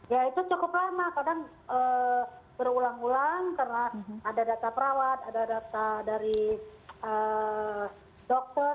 ya itu cukup lama kadang berulang ulang karena ada data perawat ada data dari dokter